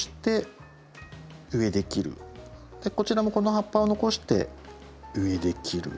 こちらもこの葉っぱを残して上で切る。